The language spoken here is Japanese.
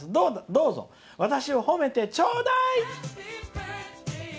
どうぞ私を褒めてちょうだい！」。